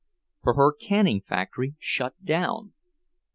For her canning factory shut down!